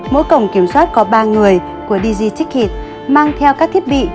mỗi cổng kiểm soát có ba người của dg ticket mang theo các thiết bị